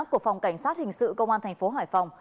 của phòng cảnh sát hình sự công an tp hải phòng